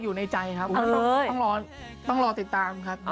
อยู่ในใจครับต้องรอต้องรอติดตามครับ